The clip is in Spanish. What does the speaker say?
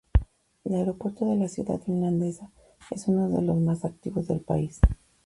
El aeropuerto de la ciudad finlandesa es uno de los más activos del país.